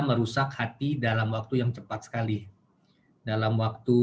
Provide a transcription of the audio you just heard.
merusak hati dalam waktu yang cepat sekali dalam waktu